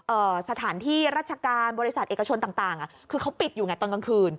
สถานที่ราชการบริษัทเอกชนต่างต่างอ่ะคือเขาปิดอยู่ไงตอนกลางคืน